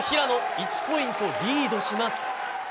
１ポイントリードします。